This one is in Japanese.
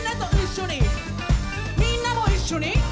みんなも一緒に！